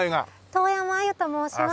遠山亜由と申します。